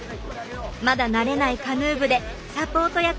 まだ慣れないカヌー部でサポート役に徹しています。